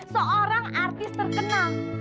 seorang artis terkenal